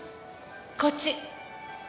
こっち。